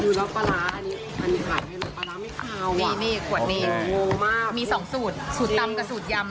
ดูแล้วปลาร้าอันนี้อันนี้ขายไม่รู้ปลาร้าไม่ขาวนี่นี่ขวดนี้งูมากมีสองสูตรสูตรตำกับสูตรยำ